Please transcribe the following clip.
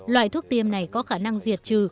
loại thuốc tiêm này có khả năng diệt trừ